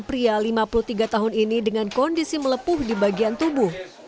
pria lima puluh tiga tahun ini dengan kondisi melepuh di bagian tubuh